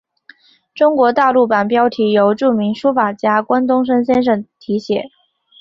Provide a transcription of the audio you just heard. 中国大陆版标题由著名书法家关东升先生提写。